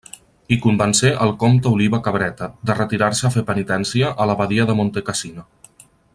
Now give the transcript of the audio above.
Hi convencé el comte Oliba Cabreta de retirar-se a fer penitència a l'Abadia de Montecassino.